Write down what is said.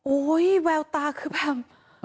โอ้ยแววตาคือแบบ